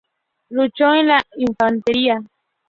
Luchó en la infantería.